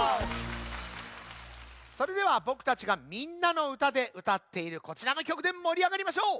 それではぼくたちが「みんなのうた」でうたっているこちらのきょくでもりあがりましょう。